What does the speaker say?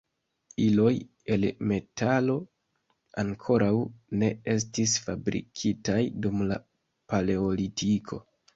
Iloj el metalo ankoraŭ ne estis fabrikitaj dum la paleolitiko.